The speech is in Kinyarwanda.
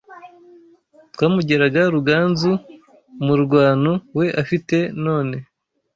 Twamugeraga Ruganzu Umurwano we afite none